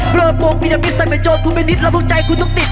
เบลอบโปรกมียามิสใส่ไหมโจทย์คุณเป็นนิดแล้วพวกใจคุณต้องติด